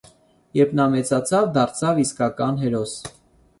Երբ նա մեծացավ, դարձավ իսկական հերոս։